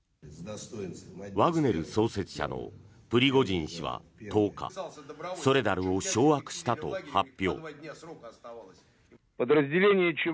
ワグネル創設者のプリゴジン氏は１０日ソレダルを掌握したと発表。